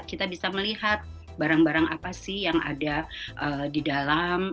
kita bisa melihat barang barang apa sih yang ada di dalam